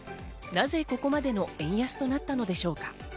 なぜここまでの円安となったのでしょうか。